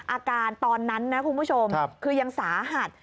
อาการตอนนั้นนะคุณผู้ชมคือยังสาหัส